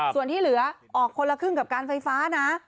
ส่วนที่เหลือออกคนละครึ่งกับการไฟฟ้านะ